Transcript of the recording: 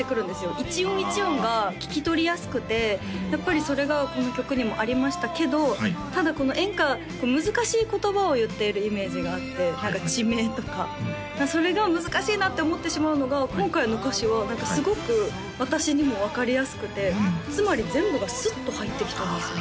一音一音が聴き取りやすくてやっぱりそれがこの曲にもありましたけどただこの演歌難しい言葉を言っているイメージがあって何か地名とかそれが難しいなって思ってしまうのが今回の歌詞はすごく私にも分かりやすくてつまり全部がスッと入ってきたんですよね